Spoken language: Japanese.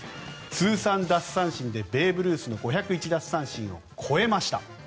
通算奪三振でベーブ・ルースの５０１奪三振を超えました。